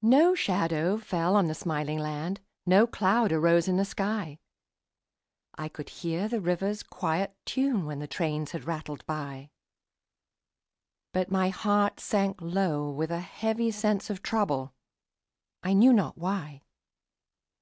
No shadow fell on the smiling land, No cloud arose in the sky; I could hear the river's quiet tune When the trains had rattled by; But my heart sank low with a heavy sense Of trouble, I knew not why.